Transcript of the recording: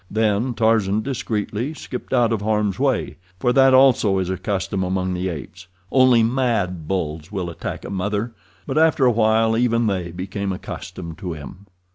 Then Tarzan discreetly skipped out of harm's way, for that also is a custom among the apes—only mad bulls will attack a mother. But after a while even they became accustomed to him.